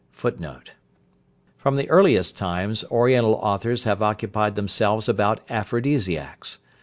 "] [Footnote 78: From the earliest times Oriental authors have occupied themselves about aphrodisiacs.